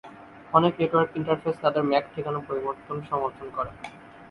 অনেক network interface তাদের MAC ঠিকানা পরিবর্তন সমর্থন করে।